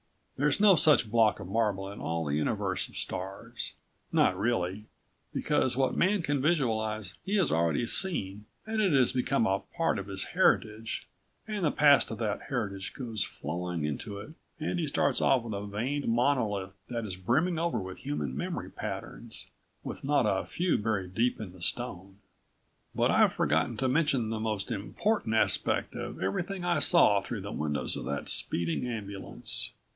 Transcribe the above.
There's no such block of marble in all the universe of stars. Not really, because what Man can visualize he has already seen and it has become a part of his heritage and the past of that heritage goes flowing into it and he starts off with a veined monolith that is brimming over with human memory patterns, with not a few buried deep in the stone. But I've forgotten to mention the most important aspect of everything I saw through the windows of that speeding ambulance.